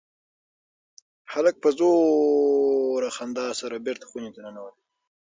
هلک په زوره خندا سره بېرته خونې ته ننوت.